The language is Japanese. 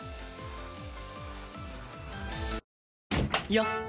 よっ！